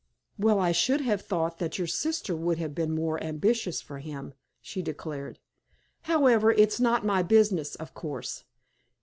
"Well, I should have thought that your sister would have been more ambitious for him," she declared. "However, it's not my business, of course.